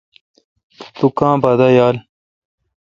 تو کما دا یال؟